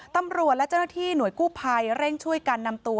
ตำรวจและเจ้าหน้าที่หน่วยกู้ภัยเร่งช่วยกันนำตัว